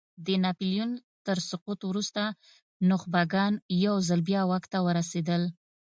د ناپیلیون تر سقوط وروسته نخبګان یو ځل بیا واک ته ورسېدل.